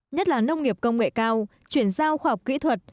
nhất là nông nghiệp công nghệ cao chuyển giao khoa học kỹ thuật